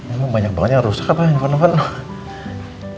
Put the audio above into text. emang banyak banget yang rusak pak handphone handphone